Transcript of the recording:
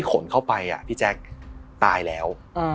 ขนเข้าไปพี่แจ๊คตายแล้ว